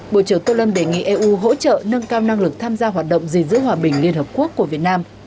bộ trưởng tô lâm đề nghị eu hỗ trợ nâng cao năng lực tham gia hoạt động gìn giữ hòa bình liên hợp quốc của việt nam